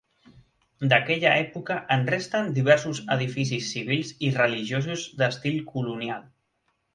D'aquella època en resten diversos edificis civils i religiosos d'estil colonial.